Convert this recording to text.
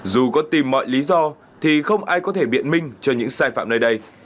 dù có tìm mọi lý do thì không ai có thể biện minh cho những sai phạm nơi đây